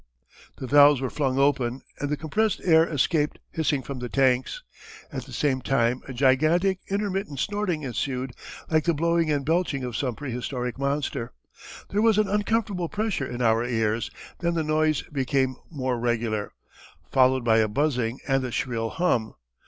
The valves were flung open and the compressed air escaped hissing from the tanks. At the same time a gigantic, intermittent snorting ensued, like the blowing and belching of some prehistoric monster. There was an uncomfortable pressure in our ears, then the noise became more regular, followed by a buzzing and a shrill hum.